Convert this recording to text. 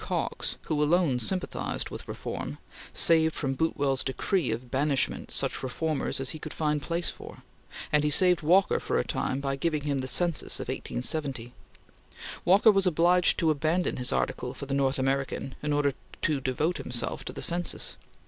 Cox, who alone sympathized with reform, saved from Boutwell's decree of banishment such reformers as he could find place for, and he saved Walker for a time by giving him the Census of 1870. Walker was obliged to abandon his article for the North American in order to devote himself to the Census.